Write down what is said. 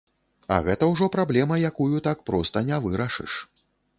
А гэта ўжо праблема, якую так проста не вырашыш.